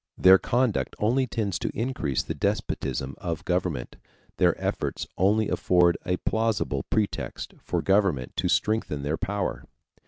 Their conduct only tends to increase the despotism of government. Their efforts only afford a plausible pretext for government to strengthen their power.